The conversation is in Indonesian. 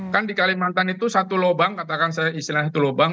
kan di kalimantan itu satu lobang katakan saya istilahnya satu lobang